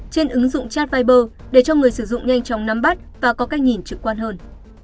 trên ứng dụng chat viber để cho người sử dụng nhanh chóng nắm bắt và có cách nhìn trực quan hơn